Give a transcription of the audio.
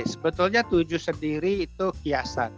sebetulnya tujuh sendiri itu hiasan